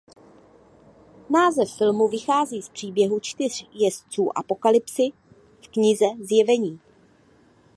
Název filmu vychází z příběhu čtyř jezdců Apokalypsy v knize zjevení.